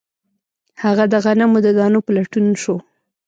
هغه د غنمو د دانو په لټون شو